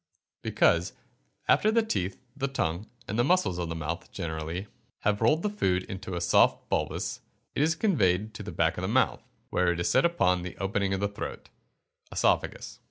_ Because, after the teeth, the tongue, and the muscles of the mouth generally, have rolled the food into a soft bolus, it is conveyed to the back of the mouth, where it is set upon the opening of the throat (oesophagus).